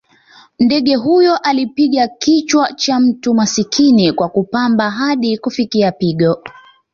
Ndege huyo alipiga kichwa cha mtu masikini kwa kupamba hadi kufikia pigo